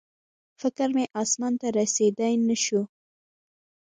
فکر مې اسمان ته رسېدی نه شو